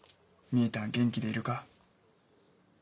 「みぃたん元気でいるか？」。